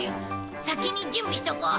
先に準備しとこう。